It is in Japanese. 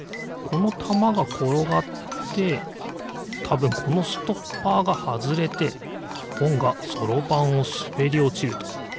このたまがころがってたぶんこのストッパーがはずれてほんがそろばんをすべりおちると。